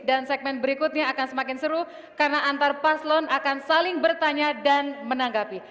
segmen berikutnya akan semakin seru karena antar paslon akan saling bertanya dan menanggapi